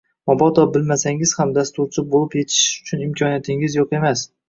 Mobodo bilmasangiz ham, dasturchi bolib yetishish uchun imkoniyatingiz yo’q emas